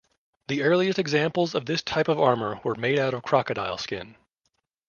The earliest examples of this type of armor were made out of crocodile skin.